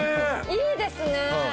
いいですね。